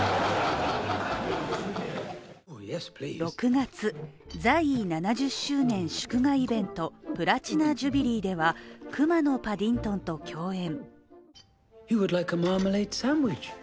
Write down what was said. ６月、在位７０周年祝賀イベントプラチナ・ジュビリーでは熊のパディントンと共演。